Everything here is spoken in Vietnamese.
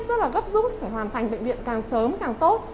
rất là gấp rút phải hoàn thành bệnh viện càng sớm càng tốt